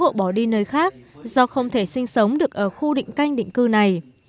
sáu hội bỏ đi nơi khác do không thể sinh sống được ở khu định canh định cư này